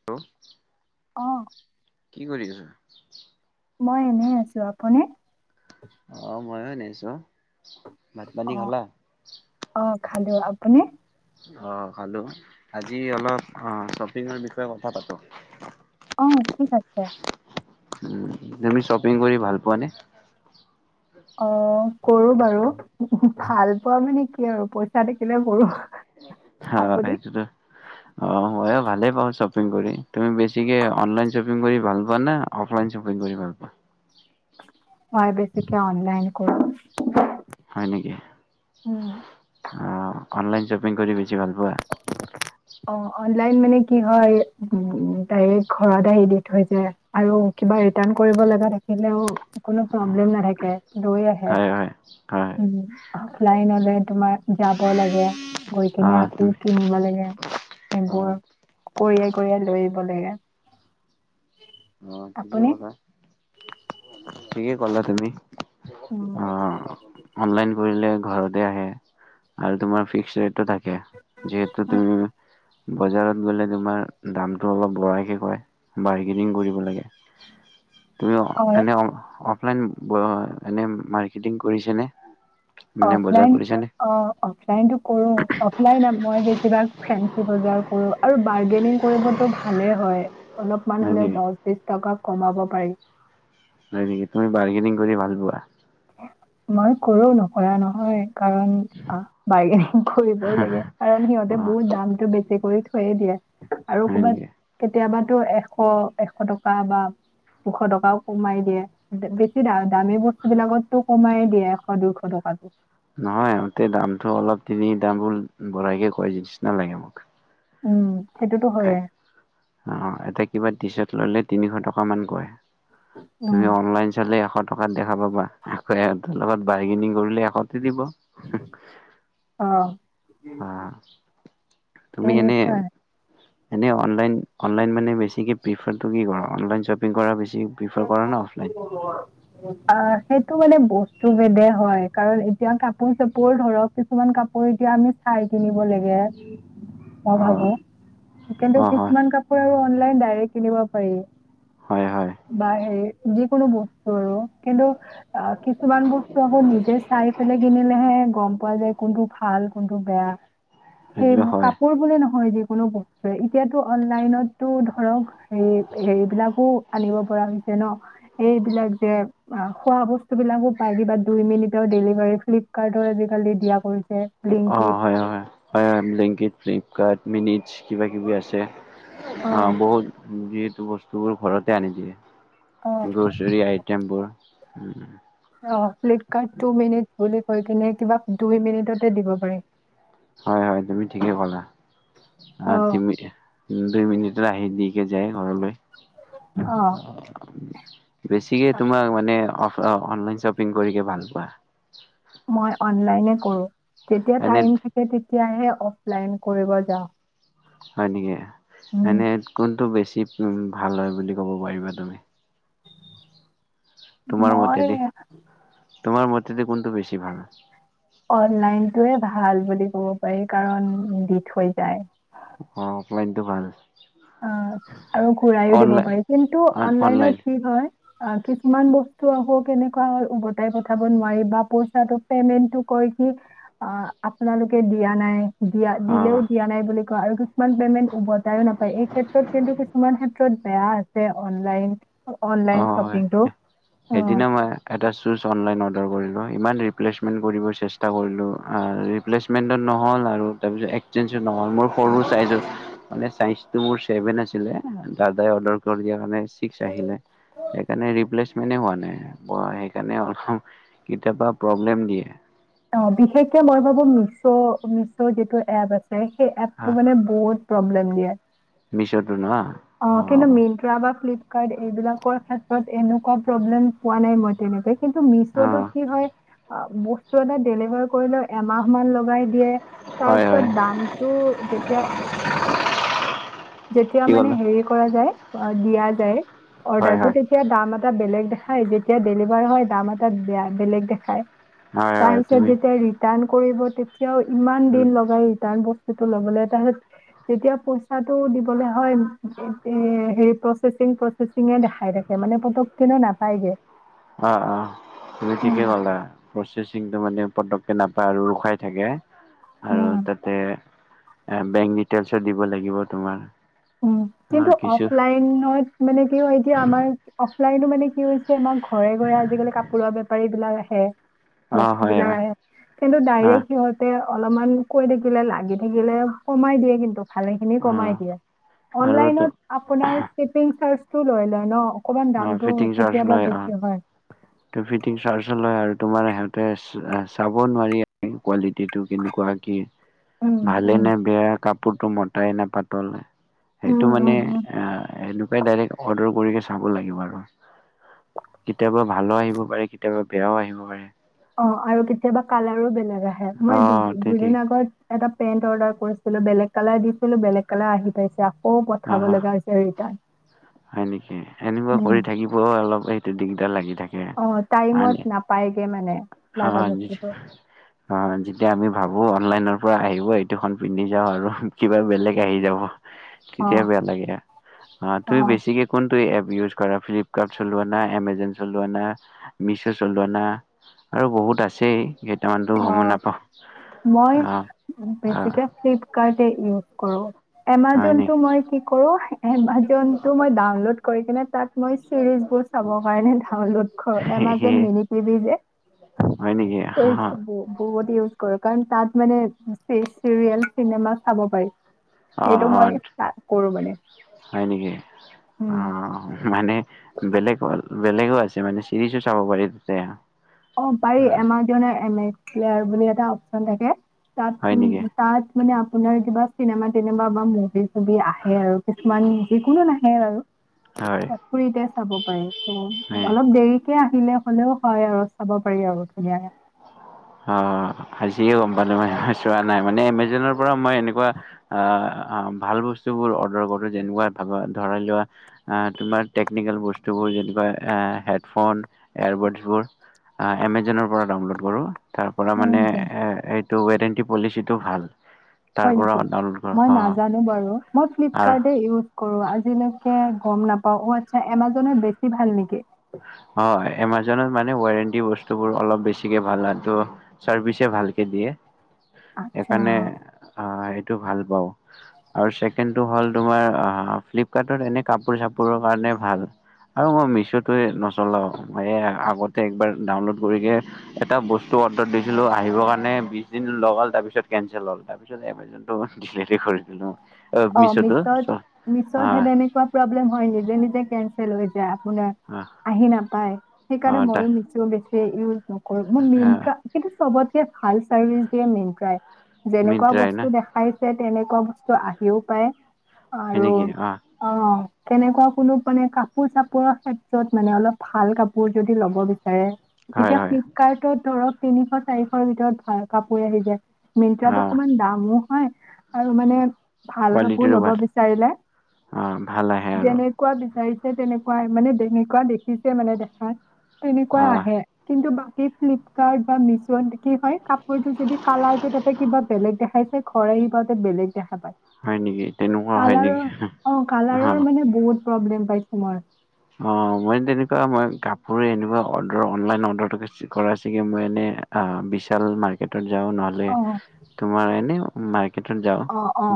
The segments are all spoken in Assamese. [unintelligible] অ'। কি কৰি আছা? মই এনেই আছো। আপুনি? অঁ মইয়ো এনে আছো। ভাত পানী অঁ, খালা? অঁ খালো। আপুনি? অ খালোঁ। আজি অলপ অ শ্বপিঙৰ বিষয়ে কথা পাতো। অ ঠিক আছে। উম তুমি শ্বপিং কৰি ভাল পোৱানে? অঁ কৰো বাৰু। ভাল পোৱা মানে কি আৰু পইচা থাকিলে কৰো। অঁ আপুনি? সেইটোতো অঁ হয়। প্ৰায় ভালেই পাওঁ শ্বপিং কৰি। তুমি বেছিকে অনলাইন শ্বপিং কৰি ভাল পোৱা নে অফলাইন শ্বপিং কৰি ভাল পোৱা? মই বেছিকে অনলাইন কৰোঁ। হয় নেকি? উম, অ অনলাইন শ্বপিং কৰি বেছি ভাল পোৱা? অ অনলাইন মানে কি হয় উম ডাইৰেক্ট ঘৰত আহি দি থৈ যায়। আৰু কিবা ৰিটাৰ্ণ কৰিব লগা থাকিলেও- কোনো প্ৰব্লেম নাথাকে লৈ আহে। হয় হয় হয় উম অফলাইন হলে তোমাৰ- যাব লাগে, গৈ অ কিনে আকৌ তুমি কিনিব লাগে। অ বোৰ কৰিয়াই কৰিয়াই লৈ আহিব লাগে। অ ঠিকেই আপুনি? ক'লা ঠিকে কলা তুমি। অঁ অনলাইন কৰিলে ঘৰতে আহে আৰু তোমাৰ ফিক্স ৰেটটো থা- কে। যিহেতু তুমি- বজাৰত গলে তোমাৰ দামটো অলপ বঢ়াই কে কয়। বৰ্গেনিং কৰি- ব লগে। তুমি এনে- অফলাইন অ এনেই মাৰ্কেটিং কৰিছেনে? মানে বজাৰ অফলাইন কৰিছানে? অ। অফলাইনটো কৰো অফলাইন মই বেছিভাগ ফেঞ্চি বজাৰ কৰো। আৰু বাৰ্গেনিং কৰিবতো ভালে হয়। অলপমান হয় হলেও নেকি? দহ বিশ টকা কমাব পাৰি। হয় নেকি? তুমি বাৰ্গেনিং কৰি ভাল পোৱা। মই কৰো নকৰা নহয়। কাৰণ বাৰ্গেনিং কৰিবই লাগে কাৰণ সিহঁতে অ' বহুত দামতটো বেছি কৰি- থৈয়ে দিয়ে। আৰু হয় নেকি? কবাত কেতিয়াবাটো এশ এশ টকা বা- দুশ টকাও কমাই দিয়ে বেছি দা দামী বস্তু বিলাকত- টো কমাই দিয়ে এশ দুইশ টকাতটো। নহয় সিহঁতে দামটো অলপ এনেই দামবোৰ বঢ়াইকে কয় নিচিনা লাগে মোক। উম সেইটোতো হয়ে। অ এতিয়া কিবা টি চাৰ্ট ললে তিনিশ টকা মান কয়। উম, তুমি অনলাইন চালে এশ- টকাত দেখা পাবা। আকৌ হেতৰ লগত বাৰ্গেনিং কৰিলে এশতে দিব। অঁ অঁ তুমি এনে- তেনেকুৱাই। এনেই অনলাইন অনলাইন মানে বেছিকৈ প্ৰিফাৰটো কি কৰা অনলাইন শ্বপিং কৰা বেছি- প্ৰিফাৰ কৰা না অফলাইন? [unintelligible] আঁ সেইটো মানে বস্তু বেদে হয়। কাৰণ এতিয়া কাপোৰ চাপোৰ ধৰক- কিছুমান কাপোৰ এতিয়া আমি চাই কিনিব লাগে- মই অ ভাবো। সেইকাৰণে অ হয় কিছুমান কাপোৰ আৰু অনলাইন ডাইৰেক্ট কিনিব পাৰি। হয় হয়। বা হেৰি যিকোনো বস্তু আৰু, কিন্তু অ' কিছুমান বস্তু আকৌ নিজে চাই পেলাই কিনিলেহে গম পোৱা যায়। কোনটো ভাল কোনটো বেয়া, সেই সেইটো হয় কাপোৰ বোলি নহয় যিকোনো বস্তু। হয়, এতিয়াতো অনলাইনতটো ধৰক হে- হেৰিবলাকো আনিব পৰা হৈছে ন' এইবিলাক যে অ' খোৱা বস্তু বিলাকো পাই কিবা দুই মিনিটৰ ডেলিভাৰী ফ্লিপকাৰ্টৰ আজিকালি দিয়া কৰিছে। ব্লিংকিত অ' হয় হয় হয়ক‌ ব্লিঙ্কিট, ফ্লিপকাৰ্ট মিনিটছ কিবা কিবি আছে। অ' বহুত, যিহেতু বস্তুবোৰ ঘৰতে আনি দিয়ে। অ গ্ৰছৰী আইটেমবোৰ। অ' ফ্লিপকাৰ্ট টু মিনিট বুলি কৈ কিনে, কিবা দুই মিনিটতে দিব পাৰি। হয় হয়, তুমি ঠিকেই ক'লা আহ অ তুমি, উম দুই মিনিটতে আহি দি কে যায় ঘৰলৈ। অ বেছিকে তোমাক মানে অফ অ' অনলাইন শ্বপিং কৰি কিয় ভাল পোৱা। মই অনলাইনে কৰো। যেতিয়া‌ এনে টাইম থাকে তেতিয়াহে অফলাইন কৰিব যাওঁ। হয় নেকি, উম, এনেই কোনটো বেছি উ- ভাল হয় বুলি ক'ব পাৰিবা তুমি। তোমাৰ মতে মই দেই, তোমাৰ মতেদি কোনটো বেছি ভাল? অনলাইনটোৱে ভাল বুলি ক'ব পাৰি, কাৰণ দি থৈ যায়। অ' অফলাইন তো ভাল। অ' আৰু ঘূৰাইও দিব অনলাইন পাৰি, কিন্তু অনলাইন অনলাইনত কি হয় অ' কিছুমান বস্তু আকৌ কেনেকুৱা হয়, উভতাই পঠাব নোৱাৰি বা পইচাটো পেমেন্টো কয় কি অ' আপোনালোকে দিয়া নাই। দিয়া- অ দিলেও দিয়া নাই বুলি কয় আৰু কিছুমান পেমেণ্ট উভতাইও নাপাওঁ। এই ক্ষেত্ৰত, কিন্তু কিছুমান ক্ষেত্ৰত বেয়া আছে অনলাইন। অ অনলাইন হয় শপিংটো অ'। সেইদিনা মই এটা শ্বুজ অনলাইন অৰ্ডাৰ কৰিলোঁ। ইমান ৰিপ্লেচমেণ্ট কৰিব চেষ্টা কৰিলোঁ, ৰিপ্লেচমে -মেণ্ট ও নহ'ল আৰু তাৰপিছত এক্সেঞ্চ ও নহ'ল মোৰ সৰু ছাইজৰ। মানে ছাইজ টো মোৰ চছেভেন আছিলে, দাদাই অৰ্ডাৰ কৰি দিয়া কাৰণে ছিক্স আহিলে। সেইকাৰণে ৰিপ্লেচমেণ্টে এ হোৱা নাই, সেইকাৰণে অলপ কেতিয়াবা প্ৰব্লেম দিয়ে। অ' বিশেষকে মই ভাবো মিছৌ' মিছৌ' যিটো এপ আছে, সেই এপটো হা মানে বহুত প্ৰব্লেম দিয়ে, মিছতো ন অ' কিন্তু মিন -ট্ৰা বা ফ্লিপকাৰ্ট এইবিলাকৰ ক্ষেত্ৰত এনেকুৱা প্ৰব্লেম পোৱা নাই মই তেনেকে। কিন্ত অ মিছৌটোত কি হয়, বস্তু এটা ডেলিভাৰ কৰিলে এমাহ মান লগাই। লগাই দিয়ে। তাৰ হয় পিছত হয় দামতটো যেতিয়া, যেতিয়া কি মানে ক'লা হেৰি কৰা যায় দিয়া যায় হয় অৰ্ডাৰ টো, হয় তেতিয়া এতিয়া দাম এটা বেলেগ দেখাই, যেতিয়া ডেলিভাৰ হয় দাম এটা বেয়া- বেলেগ দেখায়। হয় তাৰ হয় পিছত তুমি যেতিয়া ৰিৰ্টাণ কৰিব, তেতিয়াও ইমান উম দিন লগাই ৰিৰ্টাণ বোৰ। সেইটো লবলে [unintelligible] যেতিয়া পইচাটো দিবলে হয়। এ হেৰি প্ৰচেচিং প্ৰচেচিং চিঙে দেখাই থাকে, মানে পতক কেনে নাপায়গে। অ'অ' তুমি উম। ঠিকেই ক'লা। প্ৰচেচিংটো মানে পতককে নাপায়, আৰু ৰখাই থাকে আৰু উম তাতে এ বেংক ডিটেইলছ ও দিব লাগিব তোমাৰ। উম, অ কিন্তু কিছু অফলাইনত মানে কি হয়, এতিয়া আমাৰ অফলাইনো মানে কি হৈছে আমাৰ ঘৰে ঘৰে আজিকালি কাপোৰৰ বেপাৰী বিলাক আহে। অ হয় বস্তুবিলাক হয় আহে কিন্তু অ ডাইৰেক সিহঁত তে অলপমান কৈ থাকিলে লাগি থাকিলে কমাই দিয়ে কিন্তু ভালেখিনি অ কমাই দিয়ে। আৰু তো অনলাইনত আপোনাৰ শ্বিপিং চাৰ্জটো লৈ লয় ন'? অকমান অ দামটো কেতিয়াবা বেছি হয়। তোৰ ফিটিং চাৰ্জো লয় আৰু তোমাৰ সিহঁতে চা এ চাব নোৱাৰি কোৱালি টিটো কেনেকুৱা কি উম, ভালে উম, নে বেয়া কাপোৰটো মতাই নাপা তলে উম, সেইটো মানে উম, উম। আ সেনেকুৱা ডাইৰেক্ট অৰ্ডৰ কৰিকে চাব লাগিব আৰু কেতিয়াবা ভালো আহিব পাৰে কেতিয়াবা বেয়াও আহিব পাৰে। অ আৰু কেতিয়াবা কালাৰো বেলেগ আহে। অ মই দু তে ঠিক দুদিন আগত এটা পেন্ট অৰ্ডাৰ কৰিছিলো, বেলেগ কালাৰ দিছিলো, বেলেগ কালাৰ আহি পাইছে আ কৌ অ হ পঠাব লগা হৈছে সেই ৰিটাৰ্ণ উম। অ অলপ সেইটো দিগদাৰ লাগি থাক অ টাইমত নাপায়গে মানে। [unintelligible] লাগা বস্তুটো। অ যেতিয়া আমি ভাবো অনলাইনৰ পৰা আহিব এইটোখন পিন্ধি যাওঁ আৰু কিবা বেলেগ আহি যাব। তেতিয়া অ', বেয়া লাগে, অ তুমি বেছিকে কোনটো এপ ইউজ কৰা? ফ্লিপকাৰ্ট চলোৱা না এমেজন চলোৱা না মিছো চলোৱা না আৰু বহুত আছেই কেইটামানতো গম অ'। নাপাওঁ, মই অ অ। বেছিকে ফ্লিপকাৰ্টে ইউজ কৰো। হয় এমাজনটো নেকি মই কি কৰোঁ? এমাজনটো মই ডাউনলড কৰি কেনে তাত মই ছিৰিজবোৰ চাব কাৰণে ডাউনলোড কৰো, এমাজন মিনি টিভি যে। হয় নেকি হ হ। উ বহুত ইউজ কৰো কাৰণ তাত মানে চি চিৰিয়েল, চিনেমা চাব পাৰি। অ সেইটো মই অত, তাত কৰোঁ মানে। হয় নেকি? অ উম। মানে বেলেগ হল বেলেগো আছে মানে চিৰিজো চাব পাৰি তোতে। অ পাৰি, এমাজনৰ এমেছ [unintelligible] বুলি এটা অপচন থাকে তাত হয় তুম নেকি তাত মানে আপোনাৰ কিবা চিনেমা - তিনেমা বা মুভি - চুভি আহে আৰু কিছুমান যিকোনো না সেই বাৰু, হয় আ ফ্ৰীতে চাব পাৰি ত হয়। অলপ দেৰি তিয়া আহিলে হ'লেও হয় আৰু চাব পাৰি আৰু ধুনীয়াকে। হ, আজিয়ে গম পালো মই, মই চোৱা নাই মানে এমেজনৰ পৰা মই এনেকুৱা আহ আ ভাল বস্তুবোৰ অৰ্ডাৰ কৰো যেনেকুৱা ভাবা ধৰাই লোৱা আ তোমাৰ টেকনিকেল বস্তুবোৰ যেনেকুৱা এ হেডফোন, এয়াৰবডছবোৰ। আ এমেজনৰ পৰা ডাউনলোড কৰোঁ। তাৰ পৰা হয় মানে নেকি? এ এইটো ৱেৰেণ্টি পলিচিটো ভাল। তাৰ হয় পৰা নেকি? ডাউনলোড কৰ মই অ নাজানো বাৰু, মই আৰু ফ্লিপকাৰ্টে ইউজ কৰো আজিলৈকে গম নাপাও, অ আচ্ছা এমাজনত বেছি ভাল নেকি? হয়, এমাজনত মানে ৱাৰেণ্টি বস্তুবোৰ অলপ বেছিকে ভাল হয় ত চাৰ্ভিচে ভালকে দিয়ে আচ্ছা। সেইকাৰণে আহ এইটো ভাল পাওঁ। আৰু ছেকেণ্ডটো হ'ল তোমাৰ আ ফ্লিপকাৰ্টত এনে কাপোৰ চাপোৰৰ কাৰণে ভাল। আৰু মই মিছটোৱে নচলাও এই আ আগতে একবাৰ ডাউনলড কৰিকে এটা বস্তু অৰ্ডাৰ দিছিলো, আহিবৰ কাৰণে বিশ দিন লগাল তাৰপিছত কেনচেল হ'ল তাৰপিছত এমে যোনটো ডিলেটে কৰি দিলো। অ মিছত মিছত সেই তেনেকুৱা তিয়া বুলে মই নিজে নিজে কেনচেল হৈ যাই আপোনাৰ আহি নাপাই, সেইকাৰণে অ মইও নিজ টো বেছিয়ে ইউজ নকৰোঁ। মই অ মিনট্ৰা কিন্তু চৱতকে ভাল চাৰ্ভিচ দিয়ে মিনট্ৰাই। যেনেকুৱা মিনট্ৰাই না বস্তু দেখাইছে তেনেকুৱা বস্তু আহিও পায় হয় আৰু নেকি [inaudible] তেনেকুৱা কোনো মানে কাপোৰ চাপোৰৰ ক্ষেত্ৰত মানে, অলপ ভাল কাপোৰ যদি ল'ব বি- হয় এতিয়া হয় ফ্লিপকাৰ্টত ধৰক তিনিশ চাৰিশৰ ভিতৰত ভাল কাপোৰ আহি যায়। অ মিনট্ৰাত অকমান দামো হয় আৰু মানে ভাল কাপোৰ কোৱালিটিৰো ল'ব ভাল বিচাৰিলে অ ভাল আহে আৰু যেনে কুৱা বিচাৰিছে তেনেকুৱাই মানে যেনেকুৱা দেখিছে মানে দেখাত অ তেনেকুৱাই আহে। কিন্তু বাকী ফ্লিপকাৰ্ট বা মেছত কি হয় কাপোৰটো যদি কালাৰটো তাতে কিবা বেলেগ দেখাইছে ঘৰ আহি পাওঁতে বেলেগ দেখা পায়। হয় নেকি? তেনেকুৱা হয় কালাৰৰ নেকি অ', অ কালাৰৰ মানে বহুত প্ৰব্লেম পাইছোঁ মই! অ মই তেনেকুৱা মই কাপোৰে এনেকুৱা অৰ্ডাৰ অনলাইন অৰ্ডাৰটোকে [unintelligible] মই এনে অ', বিশাল মাৰ্কেটত যাওঁ, নহ'লে অ তোমাৰ এনেও মাৰ্কেটত যাওঁ,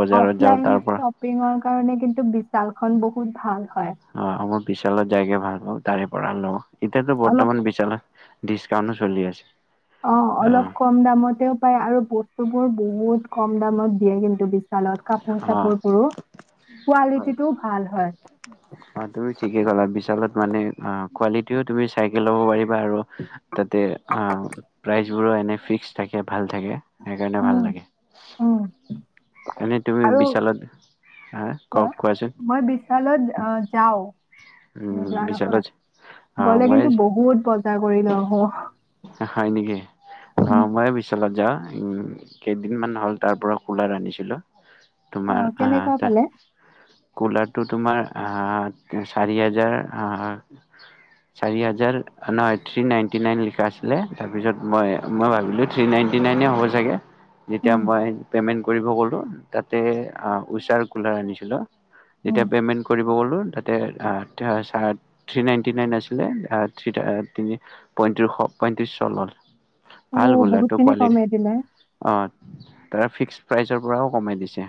বজাৰত যাওঁ তাৰ পৰা। পিঙৰ কাৰণে কিন্তু বিশালখন বহুত ভাল হয়। অ' আমাৰ বিশালত জাইগে ভাল পাওঁ, তাৰে পৰা লওঁ এতিয়াাতো অলপ বৰ্তমান বিশালত ডিছকাউণ্টও চলি আছে। অ', অলপ কম দামতে পায়, আৰু বস্তুবোৰ বহুত কম দামত দিয়ে কিন্তু বিশালত। কাপোৰ অ চাপোৰ বোৰো কোৱালিটিটোও ভাল হয়। অঁ তুমি ঠিকে ক'লা বিশালত মানে অ', কোৱালিটিও তুমি [unintelligible] ল'ব পাৰিবা আৰু তাতে আ প্ৰাইচবোৰো এনে ফিক্স থাকে ভাল থাকে। সেইকাৰণে উম ভাল লাগে উম এনেই তুমি আৰু বিশালত আ কওক কোৱা? কোৱাচোন মই বিশালত যাওঁ, উম নোযোৱা বিশালত নহয় অ গ'লে মই কিন্তু বহুত ব জাৰ, কৰি লৈ আহোঁ। হে হয় নেকি? অ', ময়ে বিশালত যাওঁ, উম কেইদিনমান হ'ল তাৰ পৰা কুলাৰ আনিছিলোঁ। অ তোমাৰ আহ কেনেকুৱা তে পালে কুলাৰটো তোমাৰ আ চাৰি হাজাৰ আ চাৰি হাজাৰ হেন থ্ৰী নাইণ্টি নাইন লিখা আছিলে, তাৰপিছত মই, মই ভাবিলোঁ থ্ৰী নাইণ্টি নাইনে হ'ব চাগে! যেতিয়া উম মই পেমেন্ট কৰিব গলোঁ, তাতে আ উষাৰ কুলাৰ আনিছিলোঁ। উম তেতিয়া পেমেন্ট কৰি ব, গ'লোঁ তাতে ছ থ্ৰী নাইণ্টি নাইন আছিলে তিনি পইতিশ পইত্ৰিশ চলল অ ভাল গোলাটো বহুতখিনি কোৱালিতি কমাই দিলে অঁ, তাৰ ফিক্স প্ৰাইচৰ পৰাও কমাই দিছে।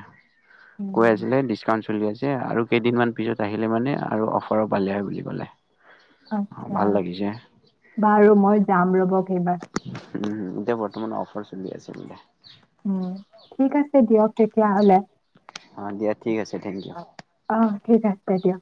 কৈ উম আছিলে ডিচকাউন্ট চলি আছে আৰু কেইদিনমান পিছত আহিলে মানে আৰু অফাৰৰ পালে হয় বুলি ক'লে! আচ্ছা, ভাল লাগিছে বাৰু মই যাম ৰ'ব এইবাৰ উম, এতিয়া বৰ্তমান অফাৰ চলি আছে বোলে! উম, ঠিক আছে দিয়ক তেতিয়াহ'লে অ' দিয়া ঠিক আছে থেংক ইউ। অহ, ঠিক আছে দিয়ক